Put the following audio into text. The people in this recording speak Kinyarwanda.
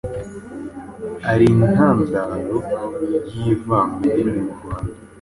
ari intandaro y’ivangandimi mu Rwanda.